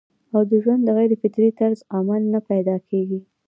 او د ژوند د غېر فطري طرز عمل نه پېدا کيږي